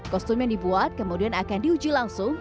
kostum yang dibuat kemudian akan diuji langsung